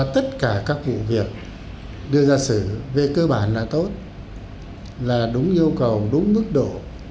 tất cả các vụ việc đưa ra xử về cơ bản là tốt là đúng yêu cầu đúng mức độ